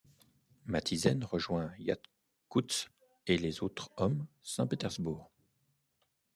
Matisen rejoint Yakutsk et les autres hommes Saint-Pétersbourg.